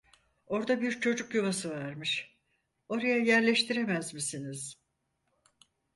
Orda bir çocuk yuvası varmış. Oraya yerleştiremez misiniz?